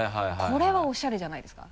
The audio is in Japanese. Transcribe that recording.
これはおしゃれじゃないですか？